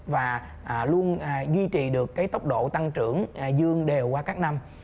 và luôn duy trì được cái tốc độ tăng trưởng dương đều qua các năm